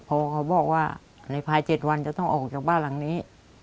พอเขาบอกว่าในภาย๗วันจะต้องออกจากบ้านหลังนี้